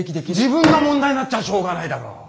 自分が問題になっちゃしょうがないだろ！